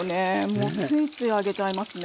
もうついつい揚げちゃいますね。